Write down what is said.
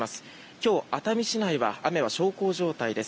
今日、熱海市内は雨は小康状態です。